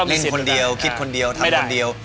เล่นคนเดียวขึ้นนหรือทำคนเดียว